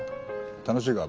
楽しいか？